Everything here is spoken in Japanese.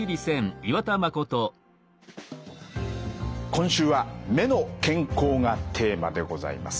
今週は「目の健康」がテーマでございます。